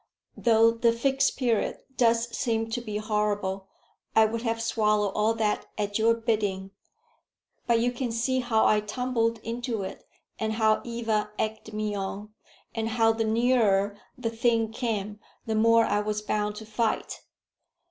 "Though the Fixed Period does seem to be horrible, I would have swallowed all that at your bidding. But you can see how I tumbled into it, and how Eva egged me on, and how the nearer the thing came the more I was bound to fight.